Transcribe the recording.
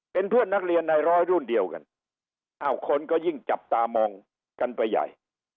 เป็นเพื่อนนักเรียนในร้อยรุ่นเดียวกันอ้าวคนก็ยิ่งจับตามองกันไปใหญ่